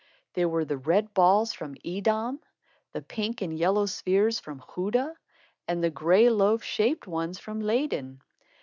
There were the red balls from Edam, the pink and yellow spheres from Gouda, and the gray loaf shaped ones from Leyden.